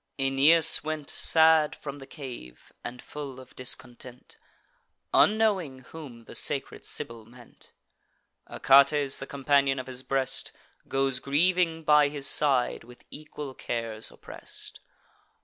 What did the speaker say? Aeneas went Sad from the cave, and full of discontent, Unknowing whom the sacred Sibyl meant. Achates, the companion of his breast, Goes grieving by his side, with equal cares oppress'd.